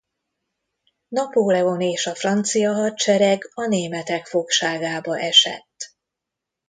Napóleon és a francia hadsereg a németek fogságába esett.